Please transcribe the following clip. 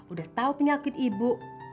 udah tau penyakit ibu